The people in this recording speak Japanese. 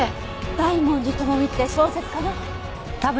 大文字智美って小説家の？